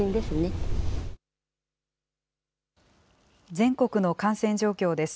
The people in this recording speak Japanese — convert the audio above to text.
全国の感染状況です。